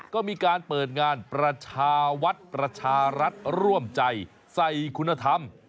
ก็มีการเปิดงานประชาวัดประชารัฐร่วมใจใส่คุณธรรม